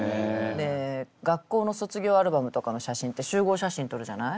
で学校の卒業アルバムとかの写真って集合写真撮るじゃない？